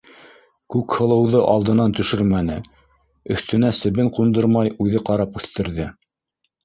Күкһылыуҙы алдынан төшөрмәне, өҫтөнә себен ҡундырмай үҙе ҡарап үҫтерҙе.